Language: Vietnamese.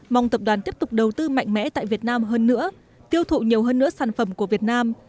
mong tập đoàn tiếp tục đầu tư mạnh mẽ tại việt nam hơn nữa tiêu thụ nhiều hơn nữa sản phẩm của việt nam